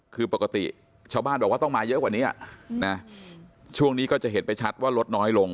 คือปกติชาวบ้านบอกว่าต้องมาเยอะกว่านี้นะช่วงนี้ก็จะเห็นไปชัดว่าลดน้อยลง